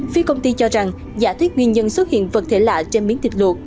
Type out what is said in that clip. phía công ty cho rằng giả thuyết nguyên nhân xuất hiện vật thể lạ trên miến thịt luộc